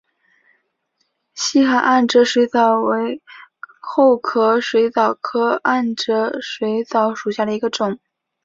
希罕暗哲水蚤为厚壳水蚤科暗哲水蚤属下的一个种。